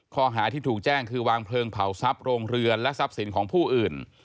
ข้อหาที่ถูกแจ้งคือวางเพลิงเผาทรัพย์โรงเรือนและทรัพย์สินของผู้อื่น